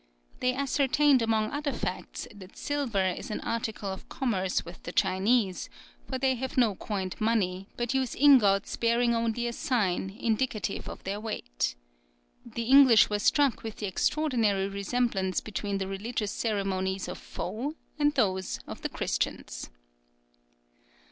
They ascertained among other facts, that silver is an article of commerce with the Chinese, for they have no coined money, but use ingots bearing only a sign, indicative of their weight. The English were struck with the extraordinary resemblance between the religious ceremonies of Fo and those of the Christians.